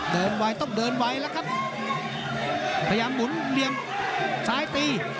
ไวต้องเดินไวแล้วครับพยายามหมุนเหลี่ยมซ้ายตี